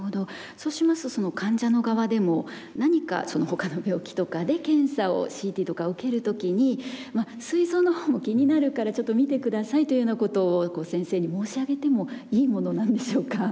そうしますとその患者の側でも何か他の病気とかで検査をＣＴとかを受ける時にすい臓のほうも気になるからちょっと診て下さいというようなことを先生に申し上げてもいいものなんでしょうか？